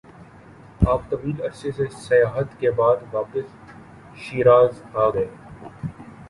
آپ طویل عرصہ سے سیاحت کے بعدواپس شیراز آگئے-